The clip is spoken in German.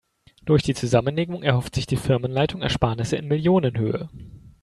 Durch die Zusammenlegung erhofft sich die Firmenleitung Ersparnisse in Millionenhöhe.